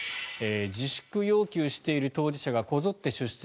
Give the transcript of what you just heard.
自粛要求している当事者がこぞって出席。